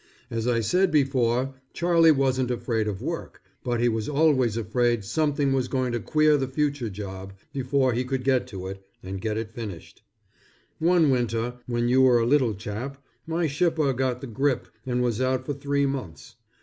As I said before Charlie wasn't afraid of work, but he was always afraid something was going to queer the future job, before he could get to it, and get it finished. One winter, when you were a little chap, my shipper got the grippe and was out for three months.